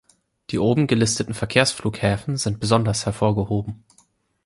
Die oben gelisteten Verkehrsflughäfen sind besonders hervorgehoben.